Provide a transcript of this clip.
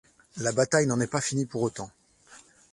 La bataille n'en est pas finie pour autant.